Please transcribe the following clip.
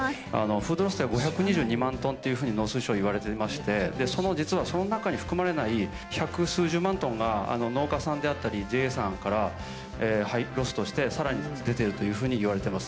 フードロスというのは５２２万トンというふうに農水省でいわれてまして、その実は、その中に含まれない百数十万トンが、農家さんであったり、ＪＡさんからロスとしてさらに出ているというふうにいわれています。